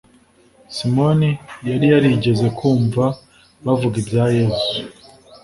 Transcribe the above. Simoni yari yarigeze kumva bavuga ibya Yesu.